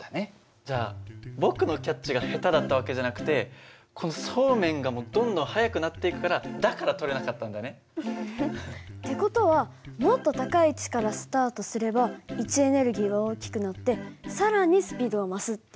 じゃあ僕のキャッチが下手だった訳じゃなくてこのそうめんがどんどん速くなっていくからだから取れなかったんだね。って事はもっと高い位置からスタートすれば位置エネルギーが大きくなって更にスピードは増すっていう事？